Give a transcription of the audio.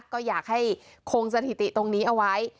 ก็อยากให้คงสถิติตรงนี้เอาไว้